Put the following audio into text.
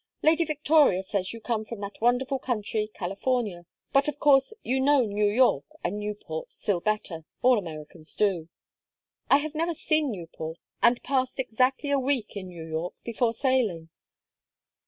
Lady Victoria says you come from that wonderful country, California, but of course you know New York and Newport still better. All Americans do." "I have never seen Newport, and passed exactly a week in New York before sailing."